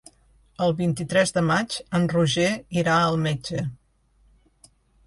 El vint-i-tres de maig en Roger irà al metge.